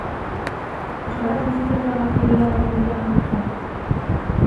Euskaraz bizitzeko arrazoi gehiagoren bila genbiltzan?